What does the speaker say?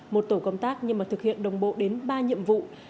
một tổ công tác nhưng mà thực hiện đồng bộ đến ba nhiệm vụ